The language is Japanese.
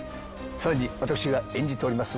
さらに私が演じております